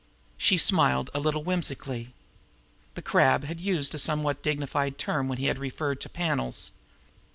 She smiled a little whimsically. The Crab had used a somewhat dignified term when he had referred to "panels."